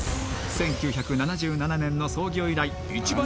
１９７７年の創業以来でっけえ！